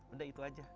udah itu aja